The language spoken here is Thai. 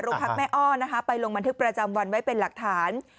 พักแม่อ้อนะคะไปลงบันทึกประจำวันไว้เป็นหลักฐาน